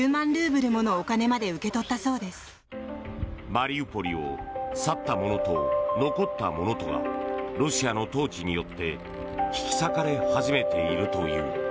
マリウポリを去った者と残った者とがロシアの統治によって引き裂かれ始めているという。